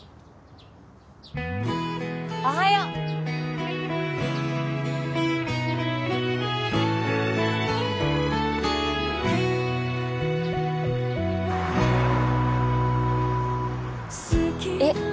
おはよう！えっ！？